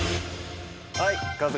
はい。